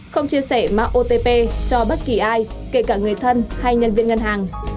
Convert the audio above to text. không chia sẻ mạng otp cho bất kỳ ai kể cả người thân hay nhân viên ngân hàng